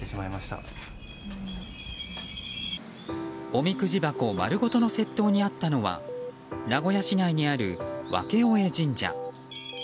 おみくじ箱丸ごとの窃盗に遭ったのは名古屋市内にある別小江神社。